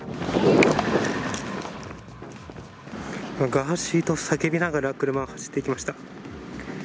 ガーシーと叫びながら、車が走り去っていきました。